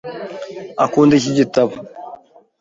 Akunda iki gitabo .